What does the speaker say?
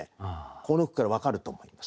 この句から分かると思います。